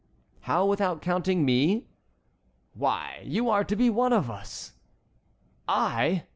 "How without counting me?" "Why, you are to be one of us." "I!"